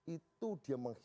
itu dia menghargai